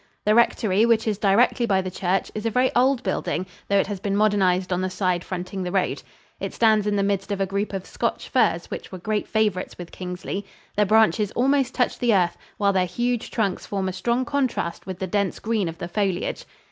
The rectory, which is directly by the church, is a very old building, though it has been modernized on the side fronting the road. It stands in the midst of a group of Scotch firs which were great favorites with Kingsley. Their branches almost touch the earth, while their huge trunks form a strong contrast with the dense green of the foliage.